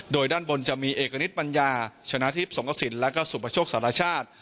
โดยด้านบนจะมีเอกณิตปัญญาชนะทิพย์สงกระสินแล้วก็สุปโชคสารชาติ